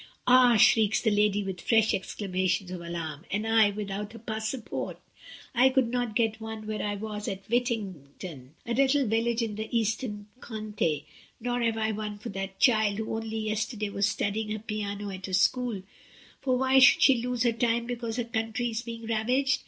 "Ah!" shrieks the lady with fresh exclamations of alarm, "and I without a passe port! I could not get one where I was, at Vittington, a little village in the Eastern Cont6; nor have I one for that child, who only yesterday was studying her piano at a school, for why should she lose her time because her country is being ravaged?"